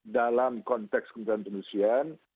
dalam konteks kebutuhan pendusian